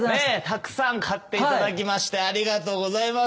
たくさん買っていただきましてありがとうございます。